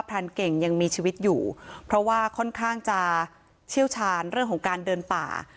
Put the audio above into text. รานเก่งยังมีชีวิตอยู่เพราะว่าค่อนข้างจะเชี่ยวชาญเรื่องของการเดินป่า